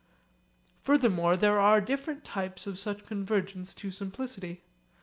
Furthermore there are different types of such convergence to simplicity.